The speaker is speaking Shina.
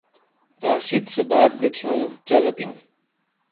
راشد سے بات گہ کھِیَوں چَہ گہ پِیوں۔